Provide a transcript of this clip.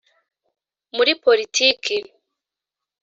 muri politiki